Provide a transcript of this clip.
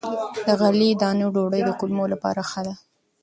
له غلې- دانو ډوډۍ د کولمو لپاره ښه ده.